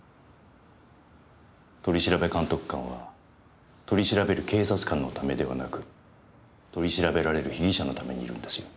取調監督官は取り調べる警察官のためではなく取り調べられる被疑者のためにいるんですよ。